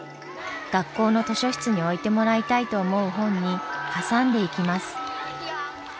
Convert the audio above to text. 学校の図書室に置いてもらいたいと思う本に挟んでいきます。